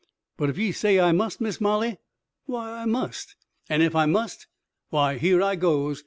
But ef ye say I must, Miss Molly, why I must; an' ef I must, why here goes!